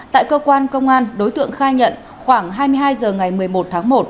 tại cơ quan công an đối tượng khai nhận khoảng hai mươi hai h ngày một mươi một tháng một